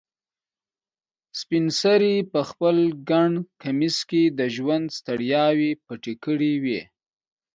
سپین سرې په خپل ګڼ کمیس کې د ژوند ستړیاوې پټې کړې وې.